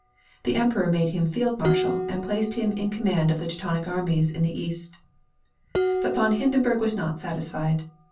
The Emperor made him Field Marshal, and placed him in command of the Teutonic armies in the east. But von Hindenburg was not satisfied.